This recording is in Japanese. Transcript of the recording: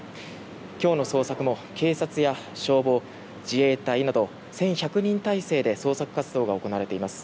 今日の捜索も警察や消防、自衛隊など１１００人態勢で捜索活動が行われています。